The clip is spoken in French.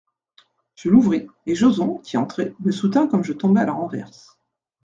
Je l'ouvris, et Joson, qui entrait, me soutint comme je tombais à la renverse.